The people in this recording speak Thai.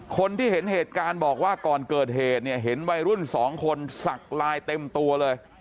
คนที่เห็นเหตุการณ์บอกว่าก่อนเกิดเหตุเนี่ยเห็นวัยรุ่นสองคนสักลายเต็มตัวเลย